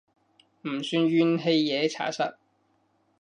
唔算怨氣嘢查實